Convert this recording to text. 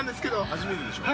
◆初めてでしょう。